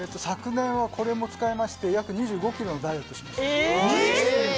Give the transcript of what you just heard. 昨年はこれも使いまして、約２５ｋｇダイエットしました。